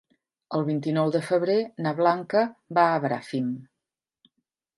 El vint-i-nou de febrer na Blanca va a Bràfim.